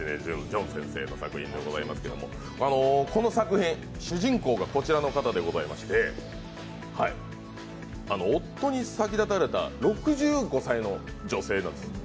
ジョン先生の作品でございますけどこの作品、主人公がこちらの方でございまして夫に先立たれた６５歳の女性なんです。